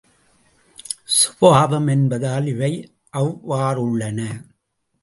சுபாவம் என்பதால் இவை அவ்வாறுள்ளன.